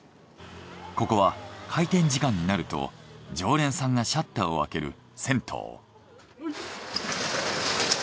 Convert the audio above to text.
ここは開店時間になると常連さんがシャッターを開ける銭湯。